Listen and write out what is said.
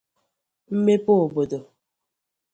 mmepe obodo